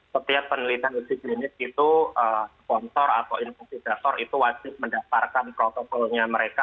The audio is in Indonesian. setiap penelitian uji klinis itu sponsor atau infotisator itu wasit mendatarkan protokolnya mereka